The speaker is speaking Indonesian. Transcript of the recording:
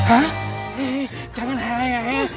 eh jangan hehehe